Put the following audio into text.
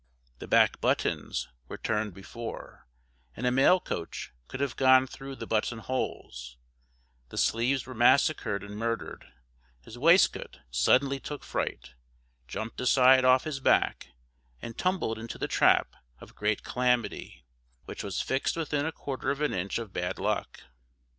The back buttons were turned before, and a mail coach could have gone through the button holes, the sleeves were massacred and murdered, his waistcoat suddenly took fright, jumped aside off his back, and tumbled into the trap of great Calamity, which was fixed within a quarter of an inch of bad luck.